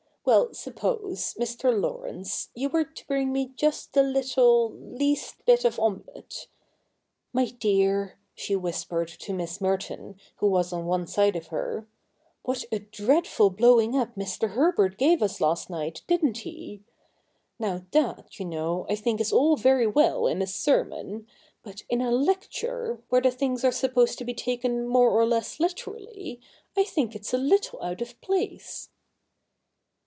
Well, suppose, Mr. Laurence, you were to bring me just the little — least bit of omelette. My dear,' she whispered to Miss Merton, who was on one side of her, 'what a dread ful blowing up Mr. Herbert gave us last night, didn't he? Now that, you know, I think is all very well in a sermon^ but in a lecture, where the things are supposed to be taken more or less literally, I think it is a little out of place.'